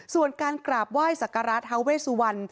ส่วนการกราบไหว้สักการะท้าเวสุวรรณ